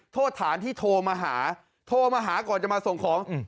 โทษฐานที่โทรมาหาโทรมาหาก่อนจะมาส่งของ